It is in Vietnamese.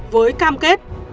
với cam kết